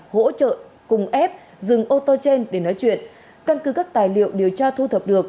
hỗ trợ cùng ép dừng ô tô trên để nói chuyện căn cứ các tài liệu điều tra thu thập được